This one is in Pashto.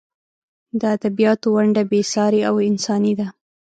د ادبیاتو ونډه بې سارې او انساني ده.